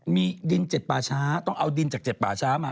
มีดิน๗ป่าช้าต้องเอาดินจาก๗ป่าช้ามา